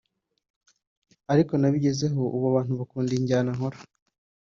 ariko nabigezeho ubu abantu bakunda injyana nkora